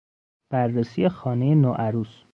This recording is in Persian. بررسی خانه ی نوعروس